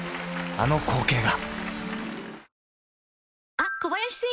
あの光景が］